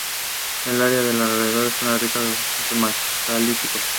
El área a su alrededor es rica en conjuntos megalíticos.